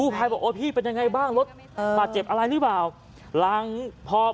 กู้ภายบอกโอ้พี่เป็นยังไงบ้างรถป่าเจ็บอะไรรึเปล่า